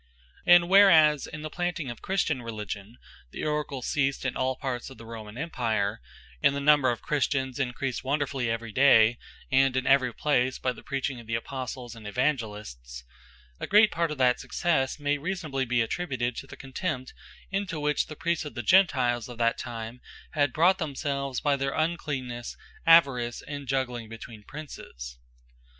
And whereas in the planting of Christian Religion, the Oracles ceased in all parts of the Roman Empire, and the number of Christians encreased wonderfully every day, and in every place, by the preaching of the Apostles, and Evangelists; a great part of that successe, may reasonably be attributed, to the contempt, into which the Priests of the Gentiles of that time, had brought themselves, by their uncleannesse, avarice, and jugling between Princes.